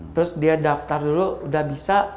terus dia daftar dulu udah bisa